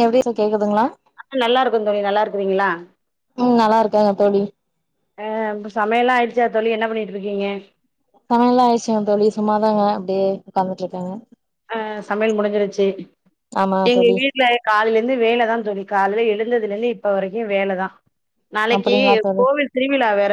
எப்டி சார் கேக்குதுங்ளா ஆ நல்லா இருக்கோ தோழி நல்லா இருக்கறீங்களா ம் நல்லா இருக்க தோழி ஆ ப்ப சமையலா ஆயிடுச்சா தோழி என்ன பண்ணிட்டுருக்கீங்க சமையல்லா ஆயிடுச்சுங்க தோழி சும்மாதாங்க அப்டியே உக்காந்துட்டு இருக்கங்க ஆ சமையல் முடிஞ்சிருச்சி ஆமா எங்க தோழி வீட் ல காலையில இருந்து வேல தா தோழி காலைல எழுந்ததுலே இருந்து இப்ப வரைக்கு வேல தா நாளைக்கி அப்டிங்களா தோழி கோவில் திருவிழா வேற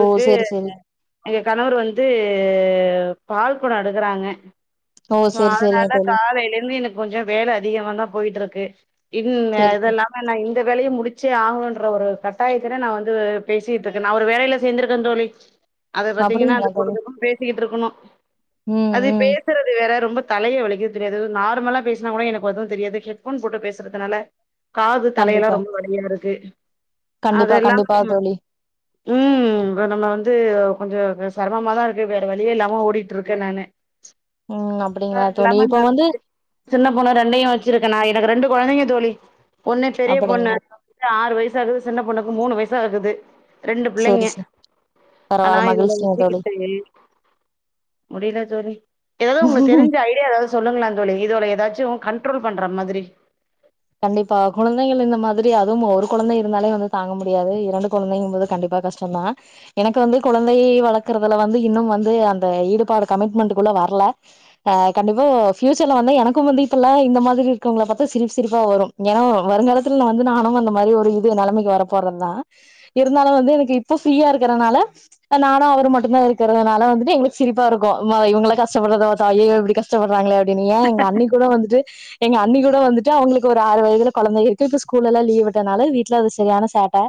ஓ சேரி சேரி எங்க கணவர் வந்து பால் கொடோ எடுக்கறாங்க ஓ ஷோ சேரி சேரிங்க அதனால தோழி காலையில இருந்து எனக்கு கொஞ்ச வேல அதிகமா தா போயிட்டு ருக்கு இன் சேரி சேரி இதெல்லா ஆ நா இந்த வேலய முடிச்சே ஆகணுன்ற ஒரு கட்டாயத்தில நா வந்து பேசிட்டு ருக்க நா ஒரு வேலையில சேந்திருக்கே தோழி அத பாத்தீங்கன்னா அது அப்டிங்களா தோழி குடுக்கதா பேசிக்கிட்டு இருக்கணு ம் அது ம் பேசுறது வேற ரொம்ப தலையே வலிக்கிது தோழி அது நார்மலா பேசினா கூட எனக்கு எதுவு தெரியாது ஹெட் ஃபோன் போட்டு பேசறதுனால காது தலையெல்லா கண்டிப்பா ரொம்ப வலியா இருக்கு கண்டிப்பா அதெல்லாம கண்டிப்பா தோழி ம் ப நம்ம வந்து கொஞ்ச செரமமா தா இருக்கு வேற வழியே இல்லாம ஓடிட்ருக்கே நானு ம் அப்டிங்களா அது தோழி இல்லாம இந்த இப்ப வந்து சின்ன பொண்ணு ரெண்டையு வெச்சிருக்கனா எனக்கு ரெண்டு கொழந்தைங்க தோழி ஒன்னு பெரிய பொண்ணு அப்டிங்களா ஆறு வயசாகுது சின்ன பொண்ணுக்கு மூணு வயசாகுது ரெண்டு பிள்ளைங்க சேரி சேரி ஆனா பரவால்ல இதுங்கள மகிழ்ச்சிங்க வெச்சிக்கிட்டு முடில தோழி ஏதாவது தோழி உங்களுக்கு தெரிஞ்ச ஐடியா ஏதாவது சொல்லங்கள தோழி இதுவல ஏதாச்சு கண்ட்ரோல் பண்ற மாதிரி கண்டிப்பா குழந்தைகள் இந்த மாதிரி அதுவும் ஒரு கொழந்தை இருந்தாலே வந்து தாங்க முடியாது இரண்டு கொழந்தைங்கம் போது கண்டிப்பா கஷ்ட சொன்னா எனக்கு வந்து கொழந்தைய வளக்குறதுல வந்து இன்னும் வந்து அந்த ஈடுபாடு கமிட்மெண்ட்க்குள்ள வர்ல ஆ கண்டிப்பா ஃபியூச்சர்ல வந்து எனக்குவந்து இப்பெல்லா இந்த மாதிரி இருக்கவங்கள பாத்த சிரிப் சிரிப் பா வரும் ஏனா வருங்காலத்துல வந்து நானு அந்த மாரி ஒரு இது நெலைமைக்கு வர போறந்தா இருந்தாலு வந்து எனக்கு இப்ப ஃப்ரீயா இருக்கறனால நானு அவரு மட்டுதா இருக்கிறதுனால வந்துட்டு எங்களுக்கு சிரிப்பா இருக்கு இவங்கள கஷ்டப்படுறத பாத்தா ஐய்யய்யோ இப்டி கஷ் டப்படுறாங்களே அப்டின்னு ஏ எங்க அண்ணி கூட வந்துட்டு எங்க அண்ணி கூட வந்துட் ஜா அவுங்களுக்கு ஒரு ஆறு வயதுல கொழந்த இருக்கு இப்ப ஸ்கூல்லா லீ்வு விட்டனால வீட்ல அது சரியான சேட்ட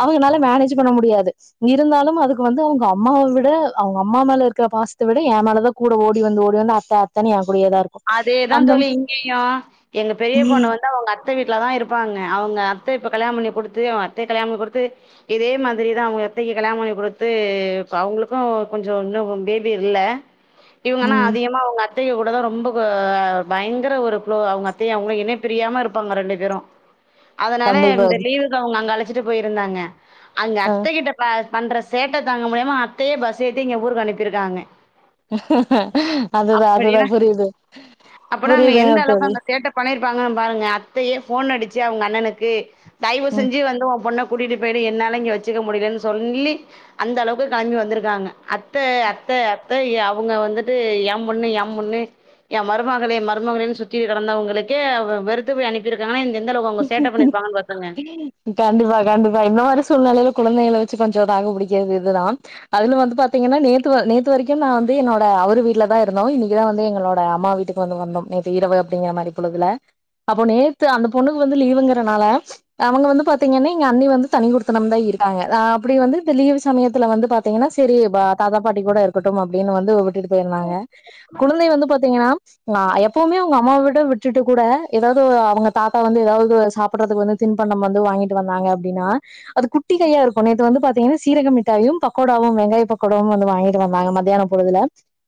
அவங்கனால மேனேஜ் பண்ண முடியாது இருந்தாலும் அதுக்கு வந்து அவுங்க அம்மாவ விட அவுங்க அம்மா மேல இருக்கற பாசத்த விட ஏ மேலதா கூட ஓடி வந்து ஓடி வந்து அத்த அத்தன்னு என கூடயேதா இருக் அதேதா தோழி இங்கயு எங்க பெரிய ம் பொண்ணு வந்து அவுங்க அத் த வீட்லதா இருப்பாங்க அவுங்க அத்த இப்ப கல்யாண பண்ணி குடுத்து அவுங்க அத்தைய கல்யாண பண்ணி குடுத்து இதே மாதிரிதா அவுங்க அத்தைக்கு கல்யாண பண்ணி குடுத்து இப்ப அவுங்களுக்கும் கொஞ்சோ இன்னு பேபி இல்ல இவுங்க ஆனா ம் அதிகமா அவுங்க அத்தைக கூட தா ரொம்ப போ பயங்கர ஒரு குளோ அவுங்க அத்தையு அவங்களு இணை பிரியாம இருப்பாங்க ரெண்டு பேரு அதனால கண்டிப்பா இந்த லீவுல அவுங்க அங்க அழச்சிட்டு போயிருந்தாங்க அங்க ஆ அத்தக்கிட்ட பண்ற சேட்ட தாங்க முடியமா அத்தையே பஸ் ஏத்தி இங்க ஊருக்கு அனுப்பிருக்காங்க அதுதா அப்படின்னா அதுதா புரியுது அப்பனா அங்க புரியுதுங்க எந்தளவுக்கு தோழி அங்க சேட்ட பண்ணிருப்பாங்கன் பாருங்க அத்தையே ஃபோன் அடிச்சு அவுங்க அண்ணனுக்கு தயவு ம் செஞ்சி வந்து ஒ பொண்ண கூட்டிட்டு போயிடு என்னால இங்க வச்சுக்க முடியலன்னு சொல்லி அந்தளவுக்கு கெளம்பி வந்துருக்காங்க அத்த அத்த அத்த ஏ அவுங்க வந்துட்டு ஏ பொண்ணு ஏ பொண்ணு ஏ மருமகளே மருமகளேன்னு சுத்திட்டு கெடந்தவங்களுக்கு வெறு த்து போய் அனுப்பிருக்காங்கன்னா இந்த எந்தளவுக்கு அவுங்க சேட்ட பண்ணிருப்பாங்கன்னு பாத்துக்கோங்க கண்டிப்பா கண்டிப்பா இந்த மாரி சூழ்நிலையில குழந்தைகள வச்சு கொஞ்ச தாக்கு புடிக்கிறது இதுதா அதுல வந்து பாத்தீங்கன்னா நேத்து வ நேத்து வரைக்கு நா வந்து என்னோட அவர் வீட்ல தா இருந்தோ இன்னைக்குதா வந்து எங்களோட அம்மா வீட்டுக் வந்து வந்தோ நேத்து இரவு அப்டிங்கிற மாரி பொழுதுல அப்ப நேத்து அந்த பொண்ணுக்கு வந்து லீவுங்கறனால அவுங்க வந்து பாத்தீங்கன்னா எங்க அண்ணி வந்து தனி குடுத்தனம் தா இருக்காங்க ஆ அப்டி வந்து இந்த லீவு சமயத்துல வந்து பாத் த்திங்கன்னா சரி தாத்தா பாட்டி கூட இருக்கட்டு அப்டின்னு வந்து விட்டுட்டு போயிருந்தாங்க குழந்தை வந்து பாத் திங்கன்னா ஆ எப்போவுமே அவுங்க அம்மாாவ விட விட்டுட்டு கூட ஏதாவது அவங்க தாத்தா வந்து ஏதாவது சாப்புட்டுறதுக்கு வந்து தின்பண்டம் வந்து வாங்கிட்டு வந்தாங்க அப்டின்னா அது குட்டி கையா இருக்கு நேத்து வந்து பாத்தீங்கன்னா சீரக மிட்டாயும் பக்கோடாவும் வெங்காய பக்கோடாவும் வந்து வாங்கிட்டு வந்தாங்க மத்தியானம் பொழுதுல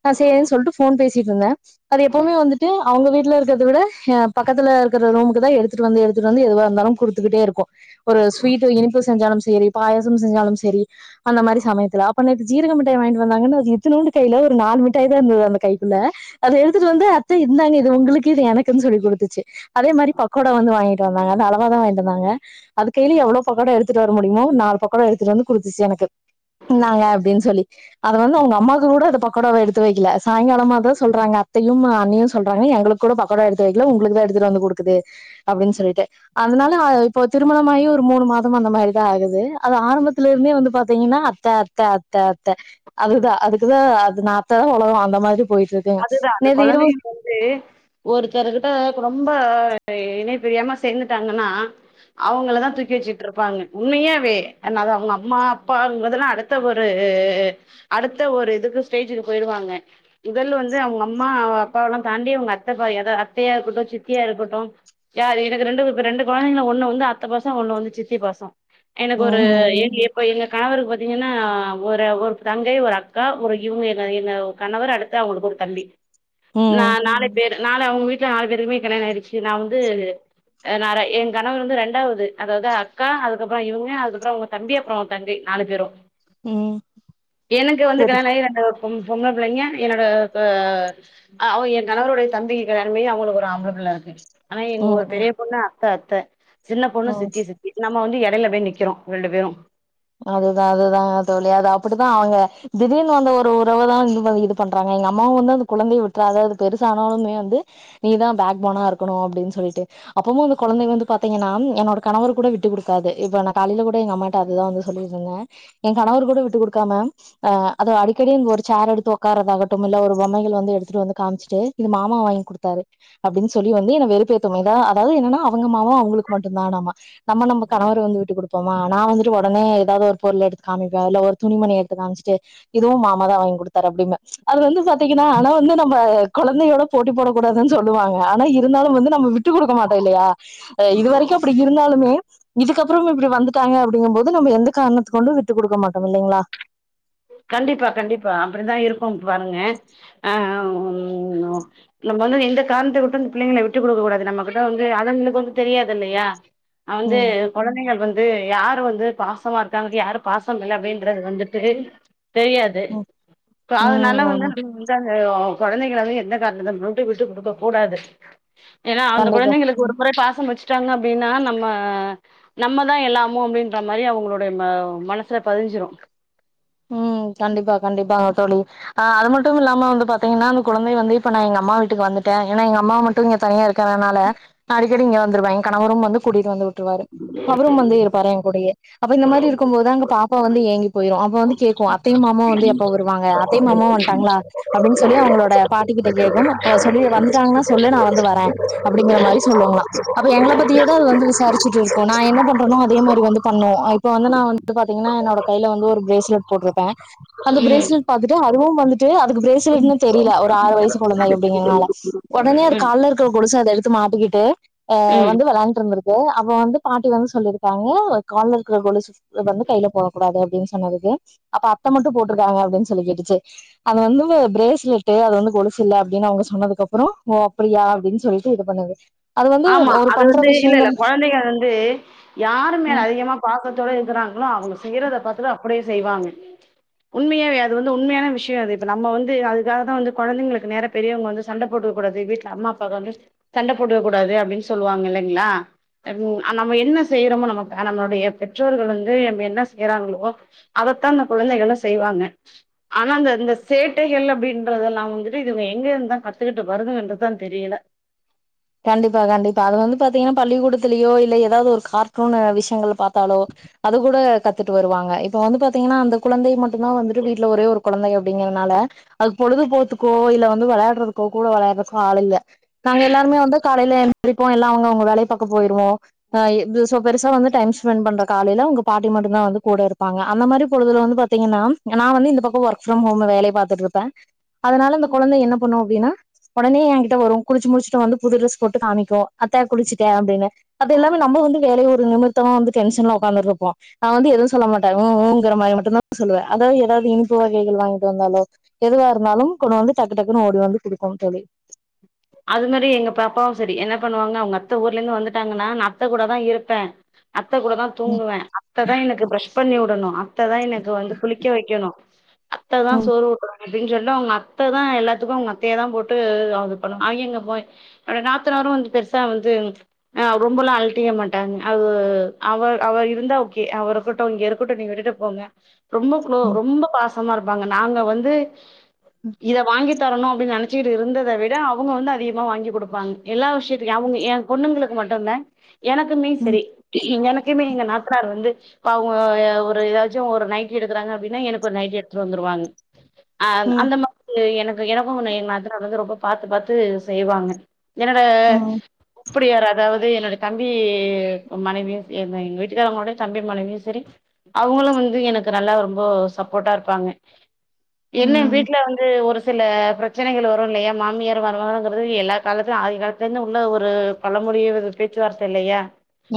நா சேரின்னு ஃபோன் பேசிட்ருந்த அது எப்போவுமே வந்துட்டு அவுங்க வீட்ல இருக்கறத விட ஏ பக்கத்துல இருக்கிற ரூமுக் கு தா எடுத்துட்டு வந்து எடுத்துட்டு வந்து எதுவா இருந்தாலு குடுத்துக்கிட்டே இருக்கு ஒரு ஸ்வீட்டு இனிப்பு செஞ்சாலு செரி பாயாசம் செஞ்சாலு செரி அந்த மாரி சமயத்துல அப்ப நேத்து ஜீரக மிட்டாய் வாங்கிட்டு வந்தாங்கன்னு எத்தனோண்டு கையில ஒரு நாலு மிட்டாய் தா இருந்தது அந்த கைக்குள்ள அத எடுத்துட்டு வந்து அத்த இந்தாங்க இது உங்களுக்கு இது எனக்குன்னு சொல்லி குடுத்துச்சு அதே மாரி பக்கோடா வந்து வாங்கிட்டு வந்தாங்க அத அளவா தா வாங்கிட்டு வந்தாங்க அது கையில எவ்ளோ பக்கோடா எடுத் துட்டு வர முடியுமோ நாலு பக்கோடா எடுத்துட்டு வந்து குடுத்துச்சு எனக்கு இந்தாங்க அப்டின்னு சொல்லி அது வந்து அவுங்க அம்மாவுக்கு கூட அந்த பக்கோடாவ எடுத்து வக்கல சாய்ங்காலமா தா சொல்றாங்க அத்தையும் அண்ணியும் சொல்றாங்க எங்களுக் கூட பக்கோடா எடுத்து வக்கல உங்களுக்குதா எடுத்துட்டு வந்து குடுக்குது அப்டின்னு சொல்ட்டு அதனால இப்போ திருமணமாயி ஒரு மூணு மாதமா அந்த மாரிதா ஆகுது அது ஆரம்பத்துலேருந்தே வந்து பாத்தீங்கன்னா அத்த அத்த அத்த அத்த அதுதா அதுக்குதா அது நாத்தா உலகோ அந்த மாரி போயிட்ருக்கு ங்க நேத்து இரவு லே ஒருத்தருக்கிட்ட இப்ப ரொம்ப இணை பிரியாம சேர்ந்துட்டாங்கன்னா அவங்கள தா தூக்கி வச்சிட்டு இருப்பாங்க உண்மையாவே அதனால அவுங்க அம்மா அப்பாங்கறதெல்லா அடுத் த ஒரு அடுத்த ஒரு இதுக்கு ஸ்டேஜுக்கு போயிடுவாங்க முதல் வந்து அவுங்க அம்மா அவ அப்பாவல்லா தாண்டி அவுங்க அத்தைப்ப ஏதாது அத்தையா இருக்கட்டு சித்தியா இருக்கட்டு யாரு எனக்கு ரெண்டு ரெண்டு கொழந்தைங்கள ஒண்ணு வந்து அத்த பாசோ ஒண்ணு வந்து சித்தி பாசோ எனக்கு ஒரு ம் ம் [unintelligible] இப்ப எங்க கணவருக்கு பாத்தீங்கன்னா ஒரு ஒரு தங்கை ஒரு அக்கா ஒரு இவுங்க எங்க எங்க கணவர் அடு த்து அவுங்களுக்கு ஒரு தம்பி நா ம் நாலு பேர் நாலு அவுங்க வீட்ல நாலு பேருக்குமே கல்யாண ஆயிடுச்சி நா வந்து அ நாறை எங்கணவர் வந்து ரெண்டாவ்து அதாவ்து அக்கா அதுக்கப்றோ இவுங்க அதுக்கப்றோ அவுங்க தம்பி அப்றோ தங்கை நாலு பேரு ம் எனக்கு வந்து சரி கல்யாணகி ரெண்டு பொம்பள பிள்ளைங்க என்னோட அ அவ அ எ கணவருடைய தம்பிக்கி கல்யாணமாகி அவுங்களுக்கு ஒரு ஆம்பள புள்ள இருக்கு ஆனா எங்க ம் ஒரு ம் பெரிய பொண்ணு அத்த அத்த சின்ன பொண்ணு ம் சித்தி சித் நம்ம வந்து எடையில போய் நிக்கிறோ ரெண்டு பேரு அதுதா அதுதாங்க தோழி அது அப்டித்தா அவுங்க திடீர்னு வந்த ஒரு உறவ தா இன் ப இது பண்றாங்க எங்கம்மாவு வந்து அந்த கொழந்தைய விட்றாத அது பெருசானாலுமே வந்து நீதா பேக் போனா இருக்கணு அபடின் சொல்லிட்டு அப்பும் அந்த கொழந்தைங்க வந்து பாத்தீங்கன்னா என்னோட கணவர் கூட விட்டு குடுக்காது இப்ப நா காலில கூட எங்க அம்மாட்ட அதுதா வந்து தோழி சொன்னே எ கணவர் கூட விட்டு குடுக்காம அ அது அடிக்கடி ஒரு சேர் எடுத்து உக்காரதாகட்டும் இல்ல ஒரு பொம்மைகள் வந்து எடுத்துட்டு வந்து காமிச்சுட்டு இது மாமா வாங்கி குடுத்தாரு அப்டின் சொல்லி வந்து என்ன வெறுப்பேத்து மேகா அதாவ்து என்னன்னா அவுங்க மாமா அவுங்களுக்கு மட்டுந்தானமா நம்ம நம்ப கணவர வந்து விட்டு குடுப்போமா நா வந்துட்டு ஒடனே எதாவ்து ஒரு பொருள எடுத்து காமிப்பே ஒரு துணிமணி எடுத்து காமிச்சுட்டு இது மாமா தா வாங்கி குடுத்தாரு அப்டின்பே அது வந்து பாத்தீங்கன்னா ஆனா வந்து நம்ம கொழந்தையோட போட்டி போடக் கூடாதுன் சொல்லுவாங்க ஆனா இருந்தாலு வந்து நம்ம விட் விட்டு குடுக்க மாட்டோ இல்லையா இது வரைக்கு அப்டி இருந்தாலுமே இதுக்கப்றம் இப்டி வந்துட்டாங்க அப்டிங்கும்போ து நம்ம எந்த காரணத்து கொண்டு விட்டு குடுக்க மாட்டோ இல்லைங்ளா கண்டிப்பா கண்டிப்பா அப்டிதா இருக்கு பாருங்க அ [unintelligible] நம்ம வந்து எந்த காரணத்த கொண்டு இந்த பிள்ளைங்கள விட்டுக்குடுக்க கூடாது நம்மகிட்ட வந்து அதுங்களுக்கு வந்துட்டு தெரியாது இல்லையா அ வந்து ம் கொழந்தைகள் வந்து யாரு வந்து பாசமா இருக்காங்க யாரு பாசோ இல்ல அப்டின்றது வந்துட்டு தெரியாது ஆ இப்ப ம் அதுனால வந்து ஆமா [unintelligible] தா செய்யு கொழந்தைங்கல வந்து எந்த காரணத்த கொண்டு விட்டு குடுக்க கூடாது ஏனா அந்த கண்டிப்பா கொழந்தைங்களுக்கு ஒரு முறை பாசோ வெச்சுட்டாங்க அப்டின்னா நம்ம நம்மதா எல்லாமோ அப்டின்ற மாரி அவுங்களுடைய மனசுல பதிஞ்சிரு ம் கண்டிப்பா கண்டிப்பா தோழி அ அது மட்டு இல்லாம வந்து பாத்தீங்கன்னா அந்த கொழந்தைய வந்து இப்ப நா எங்க அம்மா வீட்டுக்கு வந்துட்டே ஏனா எங்க அம்மா மட்டு இங்க தனியா இருக் கறனால அடிக்கடி இங்க வந்துருவே எ கணவரும் வந்து கூட்டிட்டு வந்து உட்ருவாரு அவுரும் வந்து இருப்பாரு எங் கூடையே அப்ப இந்த மாரி இருக்கும்போதுதா அங்க பாப்பா வந்து ஏங்கி போயிரு அப்ப வ கேக்கு அத்தையு மாமாவு வந்து எப்ப வருவாங்க அத்தையு மாமாவு வந்ட்டாங்ளா அப்டின் சொல்லி அவுங்களோட பாட்டி கிட்ட கேக்கு அப்ப சொல்லிரு வந்துட்டாங்கன்னா சொல்லு நா வந்து வரே அப்டிங்கிற மாரி சொல்லுங்ளா அப்ப எங்கள பத்தியேதா அது வந்து விசாரிச்சிட்ருக்கு நா என்ன பண்றனோ அதே மாரி வந்து பண்ணு இப்ப வந்து நா வந்து பாத்தீங்கன்னா என்னோட கைல வந்து ஒரு பிரேஸ்லெட் போட்ருப்பே அந்த ம் பிரேஸ்லெட் பாத்துட்டு அதுவும் வந்துட்டு அது பிரேஸ்லெட்னு தெரியல ஒரு ஆறு வயசு கொழந்தைங்க எப்டிங்க நாலஜ் ஒடனே அது ம் கால்ல இருக்கிற கொலுச அத எடுத்து மாட்டிக்கிட்டு அ ம் வந்து வெளாண்டு இருந்திருக்கு அப்ப வந்து பாட்டி வந்து சொல்லியிருக்காங்க கால்ல இருக்கிற கொழுஸ் வந்து கையில போட கூடாது அப்டின் சொன்னதுக்கு அப்ப அத்த மட்டு போட்ருக்காங்க அப்டின் சொல்லிக் கேட்டுச்சு அது வந்து பிரேஸ்லெட்டு அது வந்து கொலுசில்ல அப்டின் அவுங்க சொன்னதுக்கப்றோ ஓ அப்டியா அப்டின் சொல்லி ட்டு இது பண்ணுது அது வந்து ஆமா ஒரு அது பண்ற வந்து இல்லல்ல விஷயங்கள் கொழந்தைங்க அது வந்து யாரு மேல அதிகமா பாசத்தோட இருக்கிறாங்களோ அவுங்க செய்யறத பாத்துட்டு அப்டியே செய்வாங்க உண்மையாவே அது வந்து உண்மையான விஷயோ அது இப்ப நம்ம வந்து அதுக்காக தா வந்து கொழந்தைங்களுக்கு நேர பெரியவங்க வந்து சண்ட போட்டுக்கக்க கூடாது வீட்டுல அம்மா அப்பாவு வந்து சண்ட போட்டுக்க கூடாது அப்டின்னு சொல்லுவாங்க இல்லைங்களா அன் நம்ம என்ன செய்யறோமோ நமக்கு நம்மளுடைய பெற்றோர்கள் வந்து நம்ம என்ன செய்யறாங்களோ அதத்தா அந்த குழந்தைகளு செய்வாங்க ஆனா அந்த இந்தந்த சேட்டைகள் அப்படின்றத எல்லாம் வந்துட்டு இதுவங்க எங்க இருந்துந்தா கத்துக்கிட்டு வருதும்ன்றதுதா தெரியல கண்டிப்பா கண்டிப்பா அது வந்து பாத்தீங்கன்னா பள்ளிக்கூடத்துலயோ இல்ல எதாவது ஒரு கார்ட்டூன் விஷயங்கள பா த்தாலோ அது கூட கத்துட்டு வருவாங்க இப்ப வந்து பாத்தீங்கன்னா அந்த குழந்தை மட்டு தா வந்துட்டு வீட்டுல ஒரே ஒரு குழந்தைங்கள் அப்டிங்கிறனால அது பொழுதுபோதுக்கோ இல்ல வந்து விளையாடுறதுக்கோ கூட விளையாடுறதுக்கோ ஆள் இல்ல நாங்க எல்லாரு காலையிலப்போ எல்லா அவங்க அவங்க வேலய பாக்க போயிருவோ அ இது சோ பெருசா வந்து டைம் ஸ்பெண்ட் பண்ற காலையில உங்க பாட்டி மட்டு தா வந்து கூட இருப்பாங்க அந்த மாதிரி பொழுதுல வந்து பாத் பாத்தீங்கன்னா நா வந்து இந்த பக்கோ ஒர்க் ஃப்ரம் ஹோம் வேலைய பாத்துட்டுருப்பே அதனால அந்த கொழந்த என்ன பண்ணு அப்டின்னா உடனே என் என்கிட்ட வரு குளிச்சு முடிச்சுட்டு வந்து புது ட்ரெஸ் போட்டு காமிக்கு அத்த குளிச்சுட்ட அப்டின்னு அது எல்லாமே நம்ம வந்து வேலைய ஒரு நிமித் த்தோ வந்து டென்ஷன்ல உக்காந்துட்ருப்போ நா வந்து எது சொல்ல மாட்டே ம் ஊ ங்கிற மாரி மட்டு தா சொல்லுவே அதாவ ஏதாவது இனிப்பு வகைகள் வாங்கிட்டு வந்தாலோ எதுவா இருந்தாலு கொண்டு வந்து டக்கு டக்குன்னு ஓடி வந்து குடுக்குனு தோங அது மாதிரி எங்க பாப்பாவு சரி என்ன பண்ணுவாங்க அவங்க அத்த ஊர்ல இருந்து வந்துட்டாங்கன்னா நா அத்த கூட தா இருப்பே அத்த கூட தா ம் தூங்குவே அத்த தா எனக்கு ப்ரஷ் பண்ணி விடணு அத்த தான் எனக்கு வந்து குளிக்க வைக்கணு அத்த தா ம் சோறு ஊட்டனு அப்டின் சொல்ட் அவுங்க அத்ததா எல்லாத்துக்கு உங்க அத்தைய தா போட்டு அது பண்ணு அவிங்கங்க போய் உட நாத்தனாரு வந்து பெருசா வந்து ஆ ரொம்பெல்லா அழட்டிக்க மாட்டாங்க அது அவர் அவர் இருந்தா ஓகே அவ இருக்கட்டு இங்க இருக்கட்டு நீ விட்டுட்டு ங்கோங் ரொம்ப குளோ ம் ரொம்ப பாசமா இருப்பாங்க நாங்க வந்து இத வாங்கி தரணு அப்டின்னு நினைச்சிட்டி இருந்தத விட அவுங்க வந்து அதிகமா வாங்கி குடுப்பாங்க எல்லா விஷய நெனச்சு கிட்டு இருக்கே அவுங்க எ பொண்ணுங்களுக்கு மட்டும்தா எனக்குமே ம் சரி எனக்கு குமே எங்க நாத்தனார் வந்து இப்ப அவுங்க ஒரு ஏதாச்சு ஒரு நைட்டி எடுக்கறாங்க அப்டின்னா எனக்கு ஒரு நைட்டி எடுத்துட்டு வந்துருவாங்க அ ம் அந்த மாதிரி எனக்கு எனக்கு ஏ நாத்தானார் வந்து ரொம்போ பாத்து பாத்து செய்வாங்க என்னோட ம் அப்படி யார் அதாவது என்னுடைய தம்பி மனைவியு என் எங்க வீட்டுக்காரவங்களுடைய தம்பி மனைவியு சரி அவுங்களு வந்து எனக்கு நல்லா ரொம்ப சப்போர்ட்டா இருப்பாங்க என்ன ம் வீட்டுல வந்து ஒரு சில பிரச்சனைகள் வரு இல்லையா மாமியார் வருவாங்கங்கிறது எல்லா காலத்தையு ஆ அதிகாலத்துல இருந்து உள்ள ஒரு பழமொழியு பேச்சுவார்த்த இல்லையா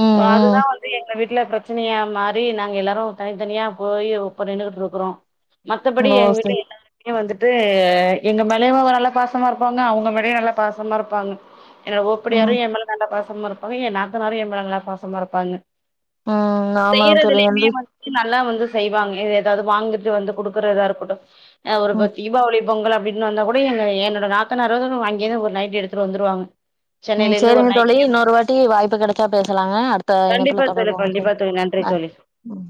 ம் ம் அதுதாவந் எங்க வீட்டுல பிரச்சனையா மாறி நாங்க எல்லாரு தனித்தனியா போய் ஒப்ப நின்னுகிட்டு இருக்குறோ மத்தபடி ஓ எங்க வீட்டுல சரி எல்லாருக்குமே வந்துட்டு எங்க மேலயுமா ஒரலவு பாச பாசமா இருப்பாங்க அவுங்க மேலயு நல்ல பாசமா இருப்பாங்க எ ஓப்பிடியாரு ம் எ நல்ல பாசமா இருப்பாங்க ஏ நாத்தனாறு எ மேல நல்ல பாசமா இருப்பாங்க ம் ஆமா தோழி செய்யிறதுலையுமே வந்து வந் நல்லா வந்து செய்வாங்க ஏதாவது வாங்கிட்டு வந்து குடுக்குறதா இருக்கட்டு அ ஒரு ம் தீபாவளி பொங்கல் அப்டின்னு வந்தா கூட எங்க என்னோட நாத்தனார் அங்கேந்து ஒரு நைட்டி எடுத்துட்டு வந்துருவாங்க ம் சென்னையில இருந்து ஒரு சேரிங்க தோழி நைட்டியு இன்னொரு வாட்டி வாய்ப்பு கெடைச்சா பேசலாங்க அடுத்த கண்டிப்பா இணைப்புல தோழி தொடருவோங்க கண்டிப்பா சரி தோழி நன்றி ஆ தோழி ம்